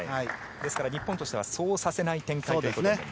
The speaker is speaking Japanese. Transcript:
ですから日本としてはそうさせない展開に。